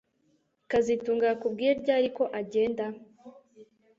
kazitunga yakubwiye ryari ko agenda